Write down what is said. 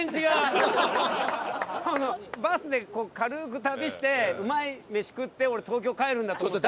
バスで軽く旅してうまい飯食って俺東京帰るんだと思ってた。